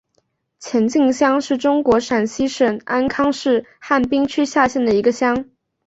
前进乡是中国陕西省安康市汉滨区下辖的一个乡。